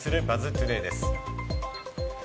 トゥデイです。